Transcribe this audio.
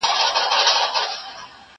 زه به سبا د کتابتون کتابونه ولوستم،